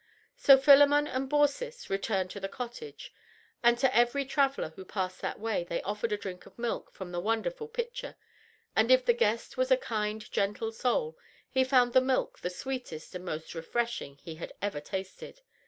So Philemon and Baucis returned to the cottage, and to every traveler who passed that way they offered a drink of milk from the wonderful pitcher, and if the guest was a kind, gentle soul, he found the milk the sweetest and most refreshing he had ever tasted.